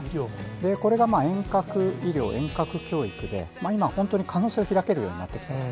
これが遠隔医療、遠隔教育で、今、本当に可能性が開けるようになってきた。